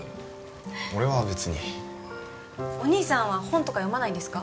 俺は別にお義兄さんは本とか読まないんですか？